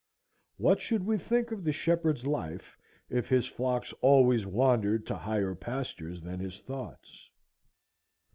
What should we think of the shepherd's life if his flocks always wandered to higher pastures than his thoughts?